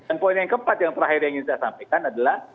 dan poin yang keempat yang terakhir yang ingin saya sampaikan adalah